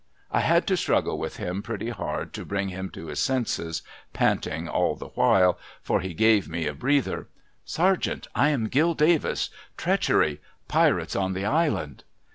I had to struggle with him pretty hard to bring him to his senses, panting all the while (for he gave me a breather), ' Sergeant, I am Gill Davis ! Treachery ! Pirates on the Island